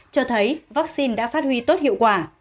cho thấy vaccine đã phát huy tốt hiệu quả